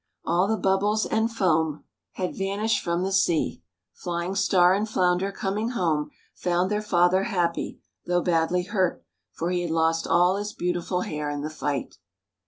All the bubbles and foam had vanished from the sea. Flying Star and Flounder, coming home, found their father happy, though badly hurt, for he had lost all his beautiful hair in the fight.